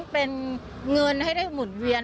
เป็นเงินให้ได้หมุนเวียน